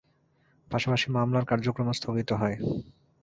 পাশাপাশি মামলার কার্যক্রমও স্থগিত হয়।